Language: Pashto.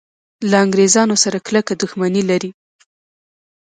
له انګریزانو سره کلکه دښمني لري.